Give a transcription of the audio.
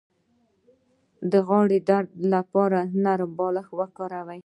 د غاړې د درد لپاره نرم بالښت وکاروئ